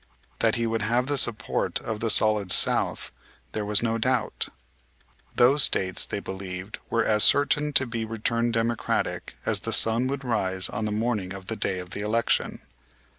That he would have the support of the Solid South there was no doubt. Those States, they believed, were as certain to be returned Democratic as the sun would rise on the morning of the day of the election.